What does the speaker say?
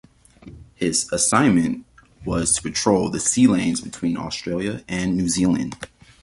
His assignment was to patrol the sea lanes between Australia and New Zealand.